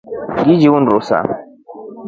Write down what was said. Ngili undusha.